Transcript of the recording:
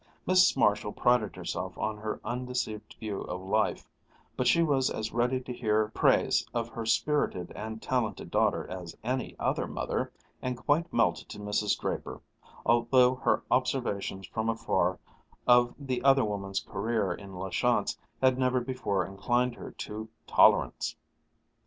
Mrs. Marshall prided herself on her undeceived view of life, but she was as ready to hear praise of her spirited and talented daughter as any other mother, and quite melted to Mrs. Draper, although her observations from afar of the other woman's career in La Chance had never before inclined her to tolerance.